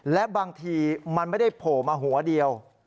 และบางทีมันไม่ได้โผล่มาหัวเดียว